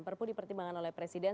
perpu dipertimbangkan oleh presiden